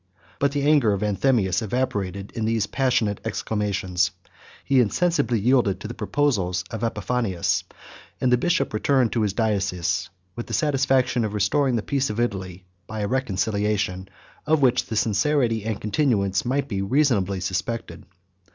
But the anger of Anthemius evaporated in these passionate exclamations: he insensibly yielded to the proposals of Epiphanius; and the bishop returned to his diocese with the satisfaction of restoring the peace of Italy, by a reconciliation, 105 of which the sincerity and continuance might be reasonably suspected.